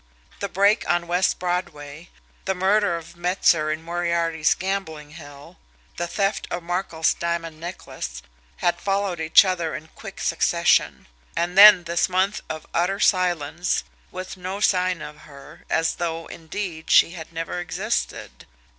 The break on West Broadway, the murder of Metzer in Moriarty's gambling hell, the theft of Markel's diamond necklace had followed each other in quick succession and then this month of utter silence, with no sign of her, as though indeed she had never existed.